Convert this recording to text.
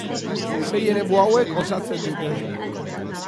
Sei eremu hauek osatzen dute.